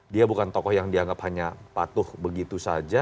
dia bukan tokoh yang dianggap hanya patuh begitu saja